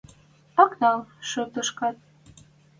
Ак нӓл шотышкат.